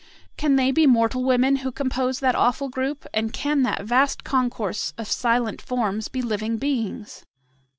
Can they be mortal women who compose that awful group, and can that vast concourse of silent forms be living beings?